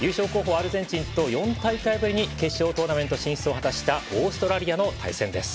アルゼンチンと４大会ぶりに決勝トーナメント進出を果たしたオーストラリアの対戦です。